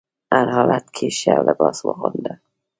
هر حالت کې ښه لباس واغونده.